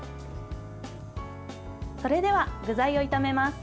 それでは、具材を炒めます。